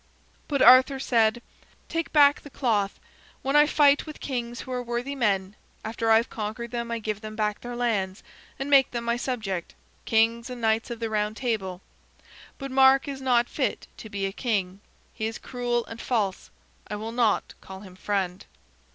But Arthur said: "Take back the cloth. When I fight with kings who are worthy men, after I have conquered them I give them back their lands, and make them my subject kings and Knights of the Round Table. But Mark is not fit to be a king. He is cruel and false. I will not call him friend."